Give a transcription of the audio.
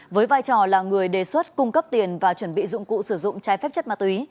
với vai trò là người đề xuất cung cấp tiền và chuẩn bị dụng cụ sử dụng trái phép chất ma túy